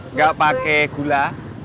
nggak pakai gula